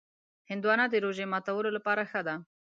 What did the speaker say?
هندوانه د روژې ماتولو لپاره ښه ده.